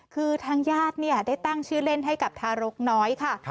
คือทางญาติได้ตั้งชื่อเล่นให้กับทารกน้อยค่ะ